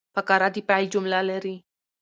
فقره د پیل جمله لري.